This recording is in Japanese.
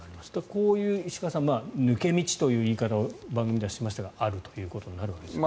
こういう、抜け道という言い方を番組ではしましたがあるということになるわけですね。